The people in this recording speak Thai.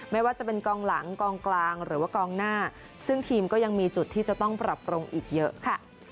ไม่ว่าจะเป็นกองหลังกองกลางหรือว่ากองหน้าซึ่งทีมก็ยังมีจุดที่จะต้องปรับปรุงอีกเยอะค่ะ